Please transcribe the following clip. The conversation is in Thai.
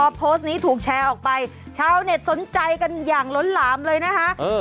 พอโพสต์นี้ถูกแชร์ออกไปชาวเน็ตสนใจกันอย่างล้นหลามเลยนะคะ